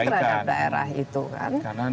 terhadap daerah itu kan